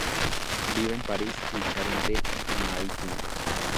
Vive en París y en Charente-Maritime.